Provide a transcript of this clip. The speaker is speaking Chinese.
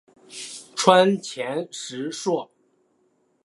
川黔石栎